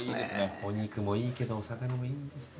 お肉もいいけどお魚もいいんですよね。